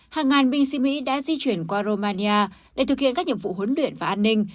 hàng ngàn binh sĩ mỹ đã di chuyển qua romania để thực hiện các nhiệm vụ huấn luyện và an ninh